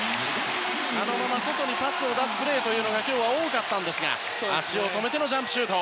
あのまま外にパスを出すプレーが今日は多かったですが足を止めてジャンプシュート。